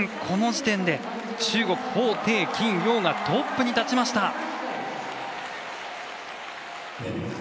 この時点で中国、彭程、金楊がトップに立ちました。